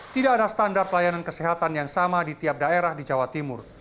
tidak ada standar pelayanan kesehatan yang sama di tiap daerah di jawa timur